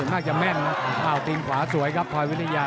สิ่งที่แม่นผ่าวตีนขาสวยครับพรวยวิทยา